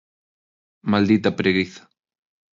Maldita preguiza.